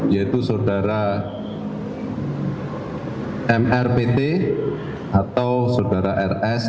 yaitu saudara mrpt atau saudara rs